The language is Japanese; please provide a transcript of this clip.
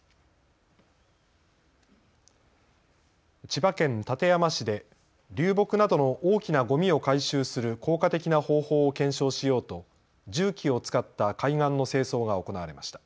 千葉県館山市で流木などの大きなごみを回収する効果的な方法を検証しようと重機を使った海岸の清掃が行われました。